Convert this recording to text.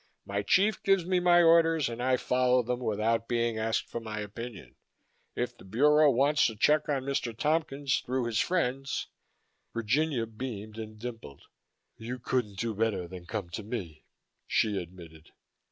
"My chief gives me my orders and I follow them without being asked for my opinion. If the Bureau wants to check on Mr. Tompkins through his friends " Virginia beamed and dimpled. "You couldn't do better than come to me," she admitted.